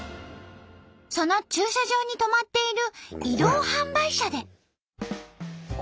その駐車場に止まっている移動販売車で。